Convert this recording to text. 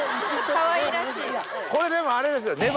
これでもあれですよ。